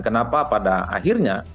kenapa pada akhirnya